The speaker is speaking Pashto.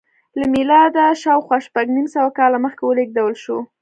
له میلاده شاوخوا شپږ نیم سوه کاله مخکې ولېږدول شوه